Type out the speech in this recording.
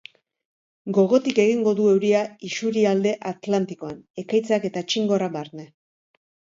Gogotik egingo du euria isurialde atlantikoan, ekaitzak eta txingorra barne.